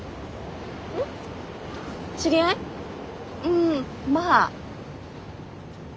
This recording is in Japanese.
うんまあ。